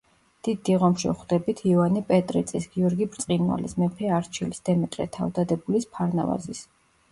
დიდ დიღომში ვხვდებით იოანე პეტრიწის, გიორგი ბრწყინვალეს, მეფე არჩილის, დემეტრე თავდადებულის, ფარნავაზის.